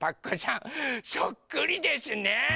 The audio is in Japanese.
そっくりですね！